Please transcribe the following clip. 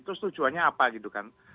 itu setujuannya apa gitu kan